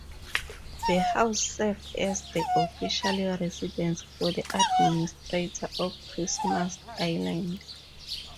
The house served as the official residence for the Administrator of Christmas Island.